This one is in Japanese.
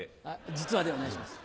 実話でお願いします。